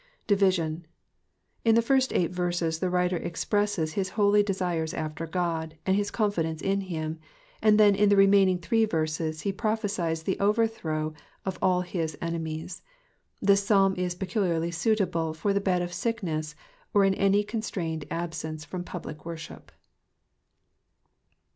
Division.— In the first eight verses the writer expresses his holy desires after God, and his confidence in him, and then in the remaining three verses he prophesies the overthrow of all his enemies. This Psalm is pecuiiarly suitable for the bed of sickness, or in aiiy constrained absence from public loorship.